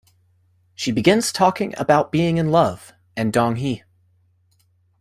She begins talking about being in love, and Dong-hee.